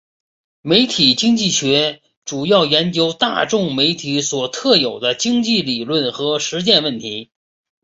媒体经济学主要研究大众媒体所特有的经济理论和实践问题。